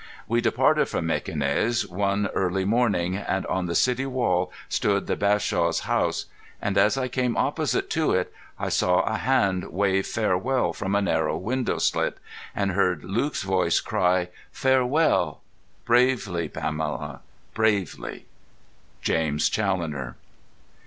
We departed from Mequinez one early morning, and on the city wall stood the Bashaw's house; and as I came opposite to it I saw a hand wave farewell from a narrow window slit, and heard Luke's voice cry, 'Farewell!' bravely, Pamela, bravely! "JAMES CHALLONER."